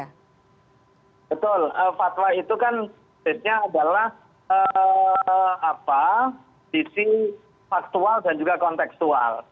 betul fatwa itu kan adalah sisi faktual dan juga konteksual